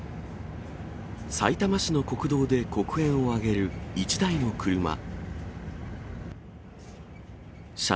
さいたま市の国道で黒煙を上げる１台の車。